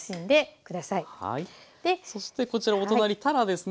そしてこちらお隣たらですね。